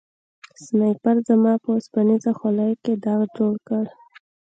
سنایپر زما په اوسپنیزه خولۍ کې داغ جوړ کړ